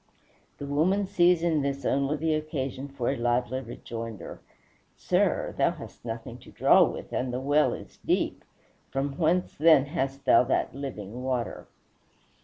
The woman sees in this only the occasion for a lively rejoinder: "Sir, thou hast nothing to draw with, and the well is deep; from whence then hast thou that living water?"